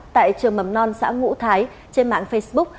tại trường mầm non xã ngũ thái trên mạng facebook